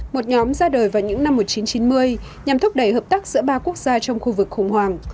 một nhóm ra đời vào những năm một nghìn chín trăm chín mươi nhằm thúc đẩy hợp tác giữa ba quốc gia trong khu vực khủng hoảng